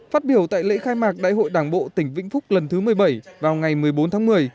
phát biểu tại lễ khai mạc đại hội đảng bộ tỉnh vĩnh phúc lần thứ một mươi bảy vào ngày một mươi bốn tháng một mươi